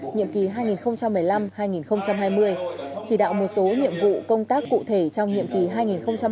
nhiệm kỳ hai nghìn một mươi năm hai nghìn hai mươi chỉ đạo một số nhiệm vụ công tác cụ thể trong nhiệm kỳ hai nghìn hai mươi hai nghìn hai mươi năm